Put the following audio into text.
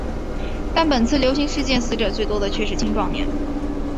但本次流行事件死者最多的却是青壮年。